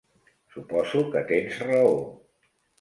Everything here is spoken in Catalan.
Suposo que tens raó.